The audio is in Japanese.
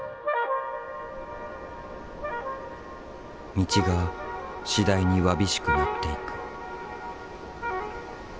道が次第にわびしくなっていく。